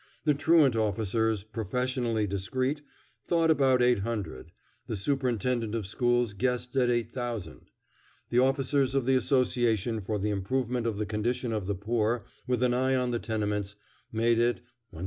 The truant officers, professionally discreet, thought about 800. The Superintendent of Schools guessed at 8000. The officers of the Association for the Improvement of the Condition of the Poor, with an eye on the tenements, made it 150,000.